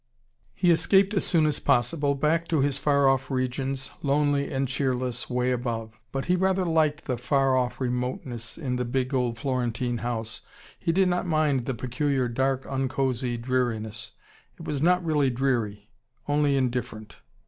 He escaped as soon as possible back to his far off regions, lonely and cheerless, away above. But he rather liked the far off remoteness in the big old Florentine house: he did not mind the peculiar dark, uncosy dreariness. It was not really dreary: only indifferent.